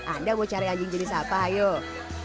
anda mau cari anjing jenis apa ayo